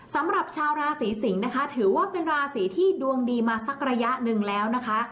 สำหรับชาวราศีสิงศ์นะคะถือว่าเป็นราศีที่ดวงดีมาสักระยะหนึ่งแล้วนะคะ